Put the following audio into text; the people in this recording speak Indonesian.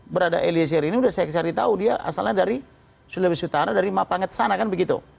berada eliezer ini sudah saya cari tahu dia asalnya dari sulawesi utara dari mapanget sana kan begitu